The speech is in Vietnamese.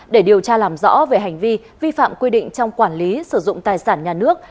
để điều tra làm rõ về hành vi vi phạm quy định trong quản lý sử dụng tài sản nhà nước